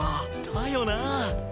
だよな！